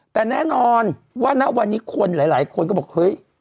แต่แน่นอนว่าณวันนี้คนหลายคนก็บอกเฮ้ย